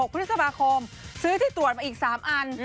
พฤษภาคมซื้อที่ตรวจมาอีก๓อัน